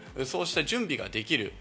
そうした準備ができる。